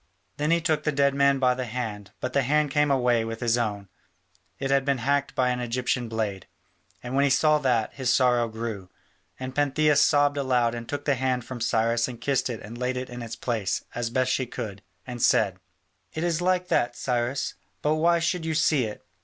Then he took the dead man by the hand, but the hand came away with his own: it had been hacked by an Egyptian blade. And when he saw that, his sorrow grew, and Pantheia sobbed aloud and took the hand from Cyrus and kissed it and laid it in its place, as best she could, and said: "It is all like that, Cyrus. But why should you see it?"